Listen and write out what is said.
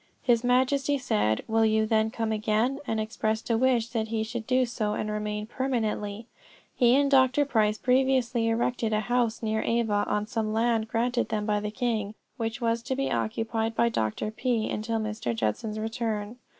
His Majesty said, "Will you then come again?" and expressed a wish that he should do so and remain permanently. He and Dr. Price had previously erected a house near Ava on some land granted them by the king, which house was to be occupied by Dr. P. until Mr. Judson's return.